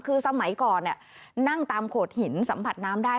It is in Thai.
คือสมัยก่อนนั่งตามโขดหินสัมผัสน้ำได้